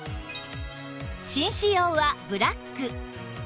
紳士用はブラック